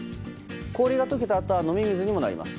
氷が解けたあとは飲み水にもなります。